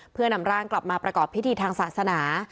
เพื่อนำร่างกลับมาประกอบพิธีทางศาสนา